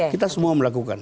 kita semua melakukan